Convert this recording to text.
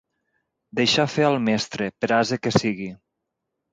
Deixar fer al mestre, per ase que sigui.